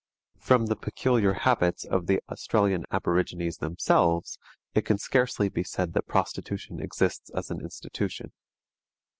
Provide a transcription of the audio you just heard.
From the peculiar habits of the Australian aborigines themselves, it can scarcely be said that prostitution exists as an institution.